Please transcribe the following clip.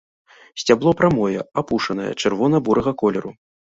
Сцябло прамое, апушанае, чырвона-бурага колеру.